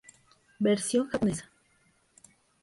Versión japonesa